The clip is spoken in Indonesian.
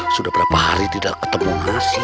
sudah berapa hari tidak ketemu manusia